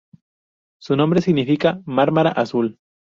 Su nombre significa Mármara azul.